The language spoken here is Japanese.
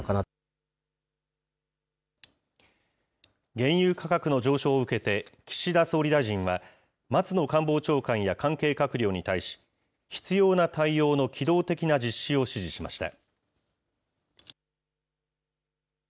原油価格の上昇を受けて、岸田総理大臣は、松野官房長官や関係閣僚に対し、必要な対応の機動的な実施を指示しました。